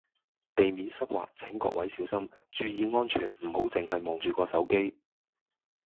地面濕滑請各位小心，注意安全唔好淨係望住個手機